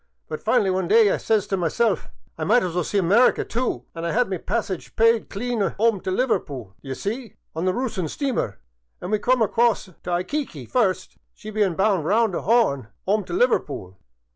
But finally one day I says t' myself, * I might as well see America, too.* An* I *ad my passage pyde clean *ome t' Liverpool, d'ye see, on the Roossian steamer , an' we come across t' Ayqmqut first, she bein' bound round the 'Orn *ome t' Liver pool.